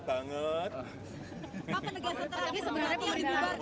berhubungan baik sejak lama